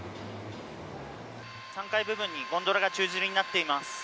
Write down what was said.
３階部分にゴンドラが宙づりになっています。